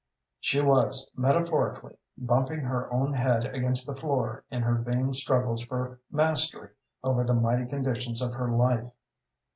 She was, metaphorically, bumping her own head against the floor in her vain struggles for mastery over the mighty conditions of her life.